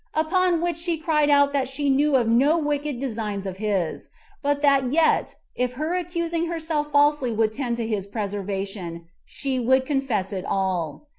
Upon which she cried out that she knew of no wicked designs of his; but that yet, if her accusing herself falsely would tend to his preservation, she would confess it all.